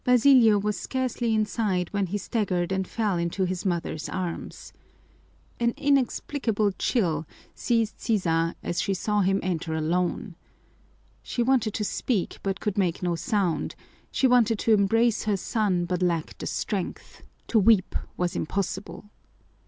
Basilio was scarcely inside when he staggered and fell into his mother's arms. An inexplicable chill seized Sisa as she saw him enter alone. She wanted to speak but could make no sound; she wanted to embrace her son but lacked the strength; to weep was impossible.